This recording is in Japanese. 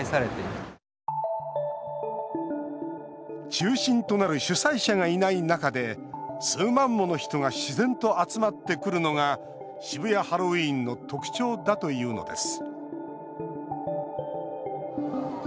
中心となる主催者がいない中で数万もの人が自然と集まってくるのが渋谷ハロウィーンの特徴だというのです。